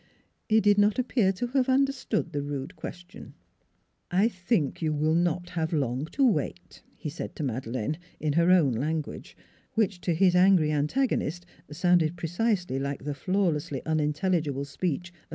He did not appear to have un derstood the rude question. " I think you will not have long to wait," he said to Madeleine, in her own language, which to his angry antagonist sounded precisely like the flawlessly unintelligible speech of M.